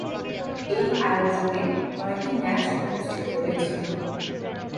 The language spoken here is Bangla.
এই আয়োজনে নয়টি ম্যাচ অনুষ্ঠিত হয়েছিল।